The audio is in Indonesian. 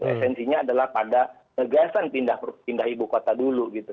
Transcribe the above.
esensinya adalah pada kegagasan pindah ibu kota dulu